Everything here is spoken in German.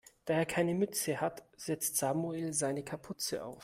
Da er keine Mütze hat, setzt Samuel seine Kapuze auf.